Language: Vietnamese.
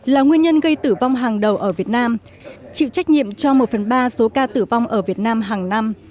là nguyên nhân gây tử vong hàng đầu ở việt nam chịu trách nhiệm cho một phần ba số ca tử vong ở việt nam hàng năm